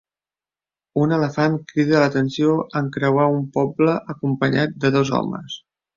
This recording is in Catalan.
Un elefant crida l'atenció en creuar un poble acompanyat de dos homes.